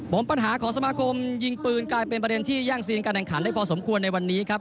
ผมปัญหาของสมาคมยิงปืนกลายเป็นประเด็นที่แย่งซีนการแข่งขันได้พอสมควรในวันนี้ครับ